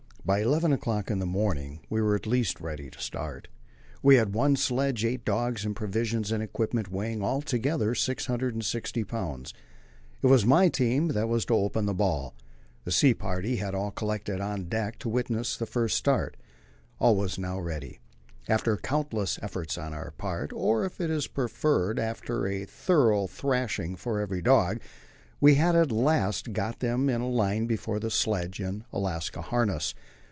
By eleven o'clock in the morning we were at last ready to start. We had one sledge, eight dogs and provisions and equipment weighing altogether 660 pounds. It was my team that was to open the ball. The sea party had all collected on deck to witness the first start. All was now ready; after countless efforts on our part, or, if it is preferred, after a thorough thrashing for every dog, we had at last got them in a line before the sledge in Alaska harness.